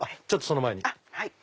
ちょっとその前に。